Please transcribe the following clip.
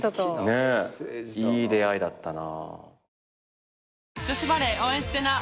いい出会いだったな。